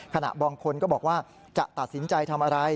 บางคนก็บอกว่าจะตัดสินใจทำอะไร